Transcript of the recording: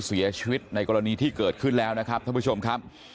เสียชีวิตในกรณีที่เกิดขึ้นแล้วนะครับท่านผู้ชมครับ